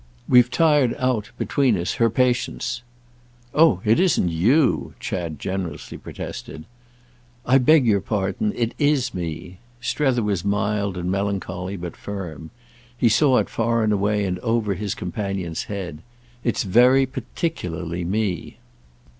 We've tired out, between us, her patience." "Oh it isn't you!" Chad generously protested. "I beg your pardon—it is me." Strether was mild and melancholy, but firm. He saw it far away and over his companion's head. "It's very particularly me."